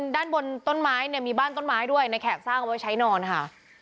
ด้านบนต้นไม้เนี่ยมีบ้านต้นไม้ด้วยในแขกสร้างเอาไว้ใช้นอนค่ะ